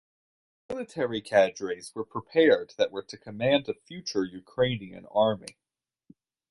Military cadres were prepared that were to command a future Ukrainian army.